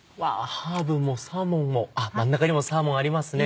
ハーブもサーモンも真ん中にもサーモンありますね。